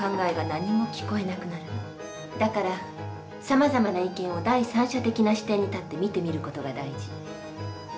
だからさまざまな意見を第三者的な視点に立って見てみる事が大事。